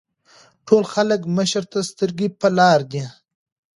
ټول خلک مشر ته سترګې پۀ لار دي ـ